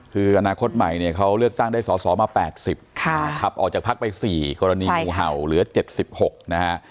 คืออนาคตใหม่เนี่ยเขาเลือกตั้งได้สอสอมา๘๐ขับออกจากพักไป๔กรณีงูเห่าเหลือ๗๖นะฮะ